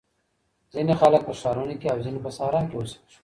ځینې خلګ په ښارونو کي او ځینې په صحرا کي اوسېږي.